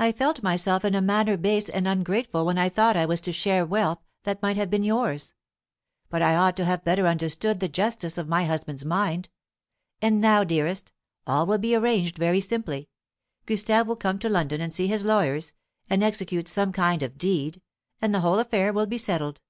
I felt myself in a manner base and ungrateful when I thought I was to share wealth that might have been yours; but I ought to have better understood the justice of my husband's mind. And now, dearest, all will be arranged very simply; Gustave will come to London and see his lawyers, and execute some kind of deed, and the whole affair will be settled.